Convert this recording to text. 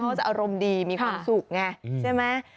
เขาจะอารมณ์ดีมีความสุขไงใช่ไหม